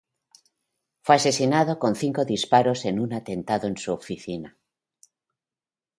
Fue asesinado con cinco disparos en un atentado en su oficina.